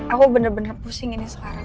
aku bener bener pusing ini sekarang